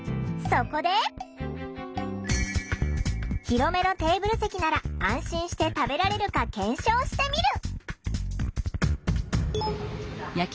広めのテーブル席なら安心して食べられるか検証してみる。